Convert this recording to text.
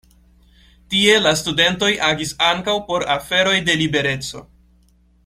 Tie la studentoj agis ankaŭ por aferoj de libereco.